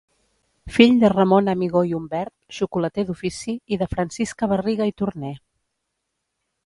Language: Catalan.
Fill de Ramon Amigó i Umbert, xocolater d'ofici, i de Francisca Barriga i Torner.